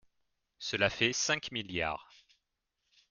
Cela fait cinq milliards